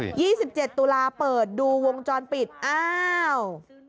ยี่สิบเจ็ดตุลาเปิดดูวงจรปิดอ้าว